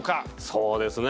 そうですね。